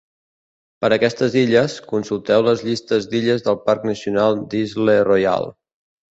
Per a aquestes illes, consulteu la llista d'illes del parc nacional d'Isle Royale.